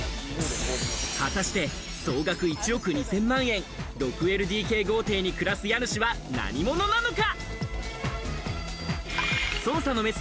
果たして総額１億２０００万円、６ＬＤＫ豪邸に暮らす家主は何者なのか？